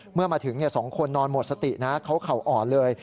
เมื่อมาถึง๒คนนอนหมดสตินะเขาเข่าอ่อนเลย